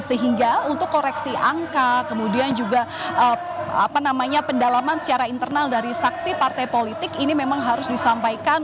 sehingga untuk koreksi angka kemudian juga pendalaman secara internal dari saksi partai politik ini memang harus disampaikan